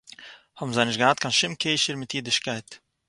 האָבן זיי נישט געהאַט קיין שום קשר מיט אידישקייט